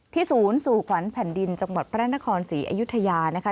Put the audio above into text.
ศูนย์สู่ขวัญแผ่นดินจังหวัดพระนครศรีอยุธยานะคะ